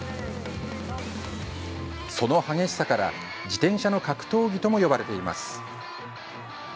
その激しさから自転車の格闘技とも呼ばれています。